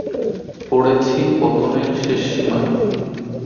পড়েছি পতনের শেষ সীমায়।